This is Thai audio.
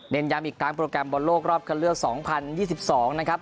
ย้ำอีกครั้งโปรแกรมบอลโลกรอบคันเลือก๒๐๒๒นะครับ